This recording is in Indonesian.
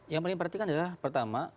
yang paling diperhatikan adalah pertama